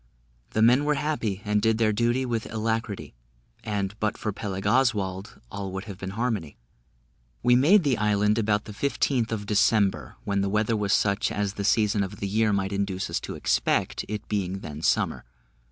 The men were happy, and did their duty with alacrity; and but for Peleg Oswald, all would have been harmony. We made the island about the 15th of December, when the weather was such as the season of the year might induce us to expect, it being then summer.